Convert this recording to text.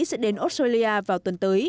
sẽ đến australia vào tuần tới